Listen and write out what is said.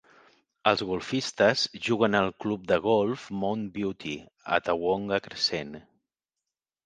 Els golfistes juguen al Club de golf Mount Beauty a Tawonga Crescent.